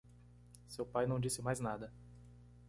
Seu pai não disse mais nada.